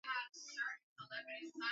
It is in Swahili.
Wanyama wanapotembea pamoja